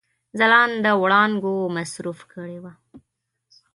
ځلانده وړانګو مصروف کړي وه.